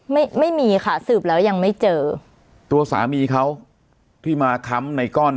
ไม่มีค่ะสืบแล้วยังไม่เจอตัวสามีเขาที่มาค้ำในก้อน